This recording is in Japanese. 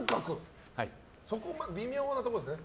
そこは微妙なところですね。